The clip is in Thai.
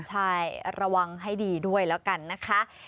ใช่ระวังให้ดีด้วยแล้วกันนะคะ